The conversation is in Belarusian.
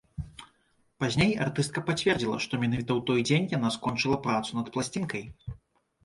Пазней артыстка пацвердзіла, што менавіта ў той дзень яна скончыла працу над пласцінкай.